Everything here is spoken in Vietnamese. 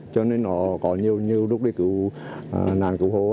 cho nên có nhiều lúc đi cứu nạn cứu hộ